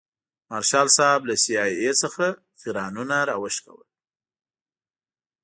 مارشال صاحب له سي آی اې څخه غیرانونه راوشکول.